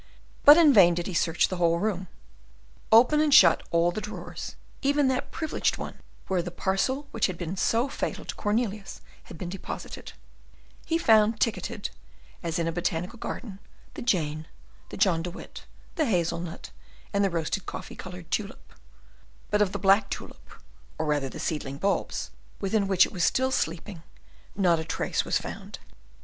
But in vain did he search the whole room, open and shut all the drawers, even that privileged one where the parcel which had been so fatal to Cornelius had been deposited; he found ticketed, as in a botanical garden, the "Jane," the "John de Witt," the hazel nut, and the roasted coffee coloured tulip; but of the black tulip, or rather the seedling bulbs within which it was still sleeping, not a trace was found.